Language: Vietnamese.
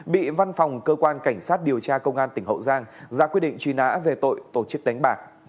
bị văn phòng cơ quan cảnh sát điều tra công an tỉnh hậu giang ra quyết định truy nã về tội tổ chức đánh bạc